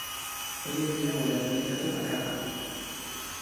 Horiek dira gure errealitate bakarra.